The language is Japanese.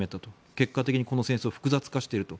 結果的にこの戦争を複雑化していると。